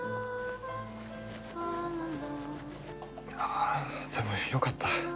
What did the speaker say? あでもよかった。